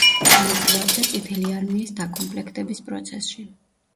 მონაწილეობდა წითელი არმიის დაკომპლექტების პროცესში.